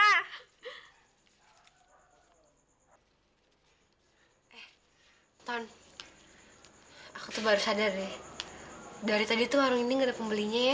eh anton aku tuh baru sadar ya dari tadi tuh hari ini nggak ada pembelinya ya